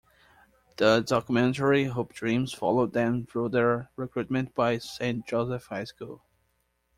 The documentary "Hoop Dreams" followed them through their recruitment by St. Joseph High School.